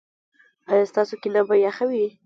ایا ستاسو کینه به یخه وي؟